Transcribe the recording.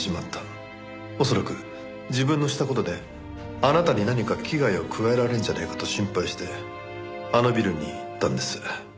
恐らく自分のした事であなたに何か危害を加えられるんじゃないかと心配してあのビルに行ったんです。